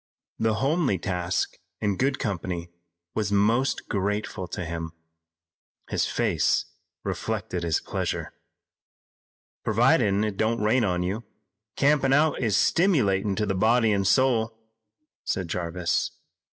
The homely task in good company was most grateful to him. His face reflected his pleasure. "Providin' it don't rain on you, campin' out is stimulatin' to the body an' soul," said Jarvis.